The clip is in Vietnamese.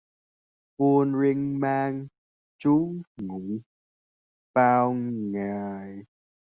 Buồn riêng mang trú ngụ bao ngày